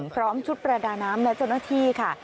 พร้อมชุดประดาน้ำและเจ้าหน้าที่ค่ะ